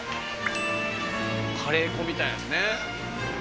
カレー粉みたいなやつね。